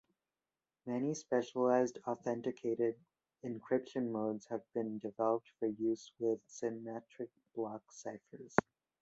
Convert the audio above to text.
Many specialized authenticated encryption modes have been developed for use with symmetric block ciphers.